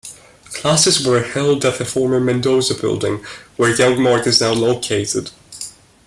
Classes were held at the former Mendoza Building, where Young Mart is now located.